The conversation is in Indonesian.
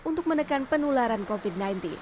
untuk menekan penularan covid sembilan belas